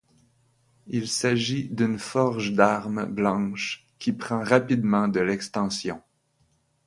Il s'agit d'une forge d'armes blanches qui prend rapidement de l'extension.